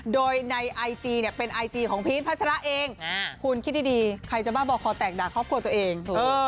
โดยในไอจีเนี่ยเป็นไอจีของพีชพัชระเองคุณคิดดีใครจะบ้าบอกคอแตกด่าครอบครัวตัวเอง